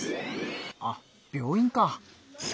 あっ病院か。